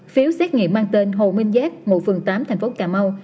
phiếu xét nghiệm mang tên hồ minh giác một phường tám tp cà mau